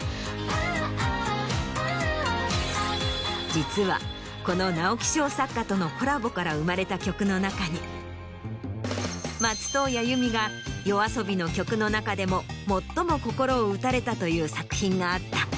実はこの直木賞作家とのコラボから生まれた曲の中に松任谷由実がＹＯＡＳＯＢＩの曲の中でも最も心を打たれたという作品があった。